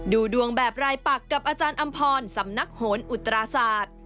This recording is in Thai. ดูดวงแบบรายปักกับอาจารย์อำพรสำนักโหนอุตราศาสตร์